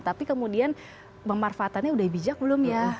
tapi kemudian pemanfaatannya udah bijak belum ya